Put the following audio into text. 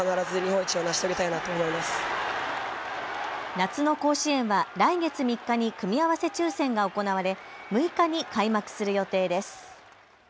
夏の甲子園は来月３日に組み合わせ抽せんが行われ６日に開幕する予定です。